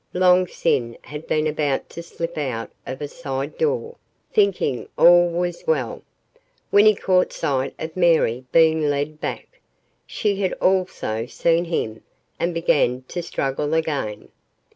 Long Sin had been about to slip out of a side door, thinking all was well, when he caught sight of Mary being led back. She had also seen him, and began to struggle again.